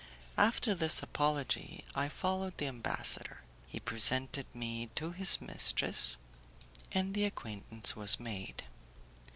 After this apology I followed the ambassador, he presented me to his mistress, and the acquaintance was made.